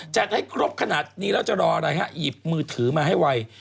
ให้ครบขนาดนี้แล้วจะรออะไรฮะหยิบมือถือมาให้ไว